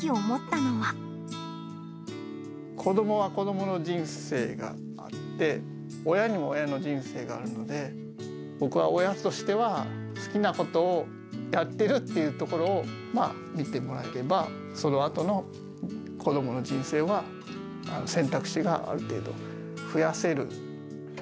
子どもは子どもの人生があって、親にも親の人生があるので、僕は親としては、好きなことをやってるっていうところを見てもらえれば、そのあとの子どもの人生は、選択肢がある程度増やせる。